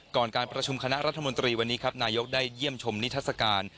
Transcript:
การประชุมคณะรัฐมนตรีวันนี้ครับนายกได้เยี่ยมชมนิทัศกาล